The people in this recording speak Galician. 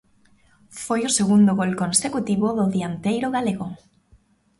Foi o segundo gol consecutivo do dianteiro galego.